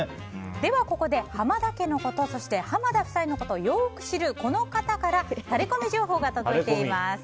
では、ここで浜田家のことそして浜田夫妻のことをよく知るこの方からタレコミ情報が届いています。